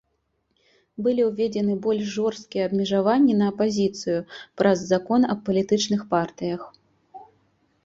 Былі ўведзены больш жорсткія абмежаванні на апазіцыю праз закон аб палітычных партыях.